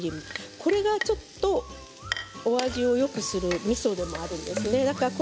これがちょっとお味をよくするみそでもあるんですね。